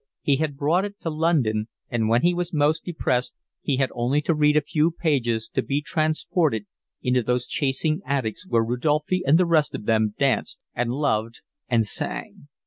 He had brought it to London and when he was most depressed he had only to read a few pages to be transported into those chasing attics where Rodolphe and the rest of them danced and loved and sang.